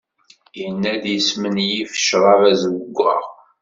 Yenna-d yesmenyif ccrab azewwaɣ.